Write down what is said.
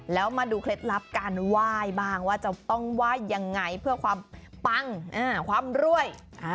แล้วมาดูเคล็ดลับการไหว้บ้างว่าจะต้องไหว้ยังไงเพื่อความปังความรวย